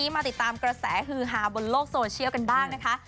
มาติดตามกระแสฮือฮาบนโลกโซเชียลกันบ้างนะคะ